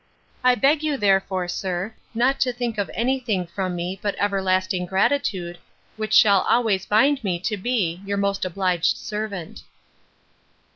I beg you, therefore, sir, not to think of any thing from me, but everlasting gratitude, which shall always bind me to be 'Your most obliged servant.